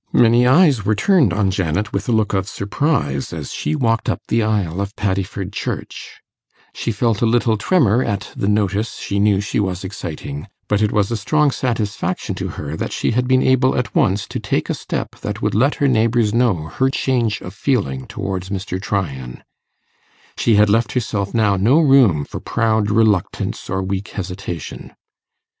Many eyes were turned on Janet with a look of surprise as she walked up the aisle of Paddiford Church. She felt a little tremor at the notice she knew she was exciting, but it was a strong satisfaction to her that she had been able at once to take a step that would let her neighbours know her change of feeling towards Mr. Tryan: she had left herself now no room for proud reluctance or weak hesitation.